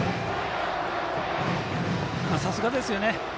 さすがですね。